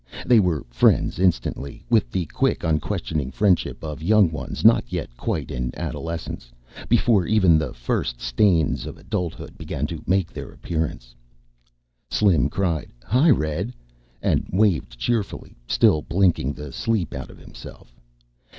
They were friends instantly with the quick unquestioning friendship of young ones not yet quite in adolescence, before even the first stains of adulthood began to make their appearance. Slim cried, "Hi, Red!" and waved cheerfully, still blinking the sleep out of himself.